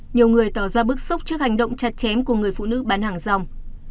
nhiều người tỏ ra bức xúc trước hành động chặt chém của người phụ nữ bán hàng rong